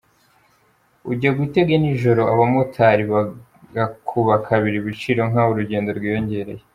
Ujya gutega nijoro abamotari bagakuba kabiri ibiciro nk’aho urugendo rwiyongereye.